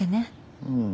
うん。